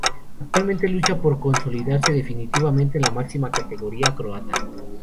Actualmente lucha por consolidarse definitivamente en la máxima categoría croata.